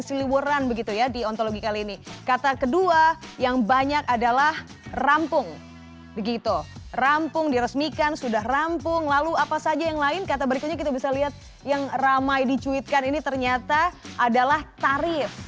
sudah rampung begitu rampung diresmikan sudah rampung lalu apa saja yang lain kata berikutnya kita bisa lihat yang ramai dicuitkan ini ternyata adalah tarif